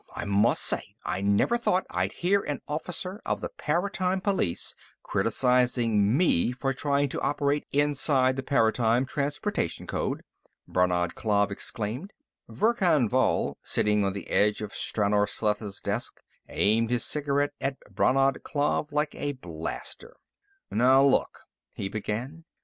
I must say; I never thought I'd hear an officer of the Paratime Police criticizing me for trying to operate inside the Paratime Transposition Code!" Brannad Klav exclaimed. Verkan Vall, sitting on the edge of Stranor Sleth's desk, aimed his cigarette at Brannad Klav like a blaster. "Now, look," he began.